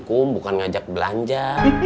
kum bukan ngajak belanja